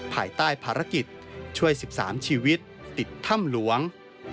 ภายใต้ภารกิจช่วย๑๓ชีวิตติดถ้ำหลวง